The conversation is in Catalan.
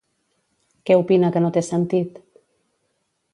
Què opina que no té sentit?